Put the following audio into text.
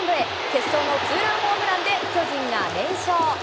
決勝のツーランホームランで巨人が連勝。